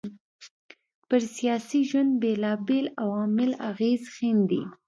پر سياسي ژوند بېلابېل عوامل اغېز ښېندي